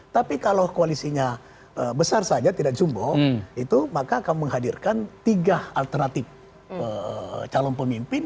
tapi kalau koalisinya besar saja tidak jumbo itu maka akan menghadirkan tiga alternatif calon pemimpin